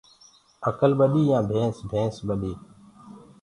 اڪل ٻڏي يآن ڀينس ڀينس ٻڏي